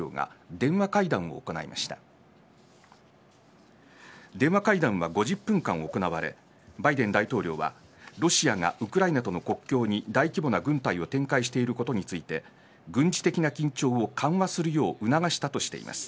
電話会談は、５０分間行われバイデン大統領はロシアがウクライナとの国境に大規模な軍隊を展開してることについて軍事的な緊張を緩和するよう促したとしています。